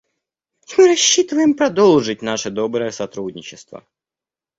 И мы рассчитываем продолжить наше доброе сотрудничество.